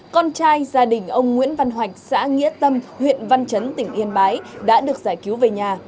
con trai gia đình ông nguyễn văn hoạch xã nghĩa tâm huyện văn chấn tỉnh yên bái đã được giải cứu về nhà